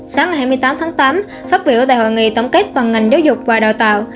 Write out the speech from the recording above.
sáng hai mươi tám tháng tám phát biểu tại hội nghị tổng kết toàn ngành giáo dục và đào tạo